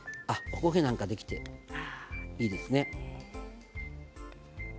おこげなんかできていいですね。